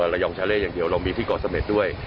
ระยองชาเล่อย่างเดียวเรามีที่เกาะเสม็ดด้วย